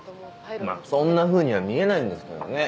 まぁそんなふうには見えないんですけどね。